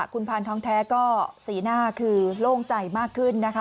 คุณพานทองแท้ก็สีหน้าคือโล่งใจมากขึ้นนะคะ